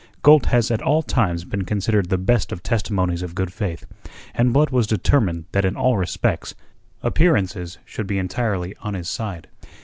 Gold has at all times been considered the best of testimonies of good faith, and Blood was determined that in all respects appearances should be entirely on his side.